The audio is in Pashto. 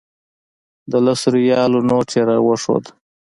د لسو ریالو نوټ یې راښود.